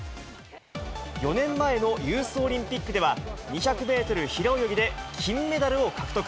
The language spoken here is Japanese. ４年前のユースオリンピックでは、２００メートル平泳ぎで金メダルを獲得。